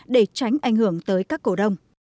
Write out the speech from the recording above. để tránh ảnh hưởng tới các cổ đông